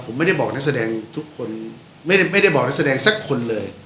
ผมไม่ได้บอกนักแสดงทุกคนไม่ได้บอกนักแสดงสักคนเลย